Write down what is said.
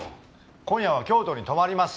今夜は京都に泊まります。